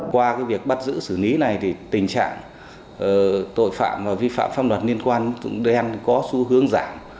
qua việc bắt giữ xử lý này thì tình trạng tội phạm và vi phạm pháp luật liên quan đen có xu hướng giảm